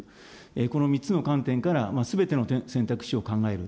この３つの観点から、すべての選択肢を考える。